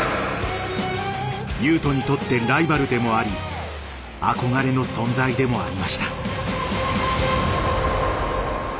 雄斗にとってライバルでもあり憧れの存在でもありました。